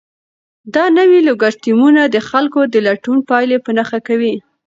دا نوي الګوریتمونه د خلکو د لټون پایلې په نښه کوي.